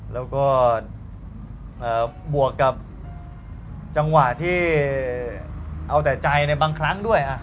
แล้วก็บวกกับจังหวะที่เอาแต่ใจในบางครั้งด้วย